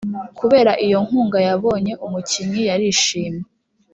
kubera iyo nkunga yabonye, umukinnyi yarishimye